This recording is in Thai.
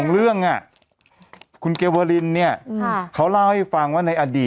รู้หรอกไหม